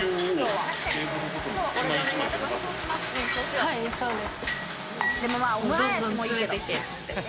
はいそうです。